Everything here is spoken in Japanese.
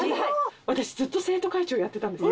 私ずっと生徒会長やってたんです。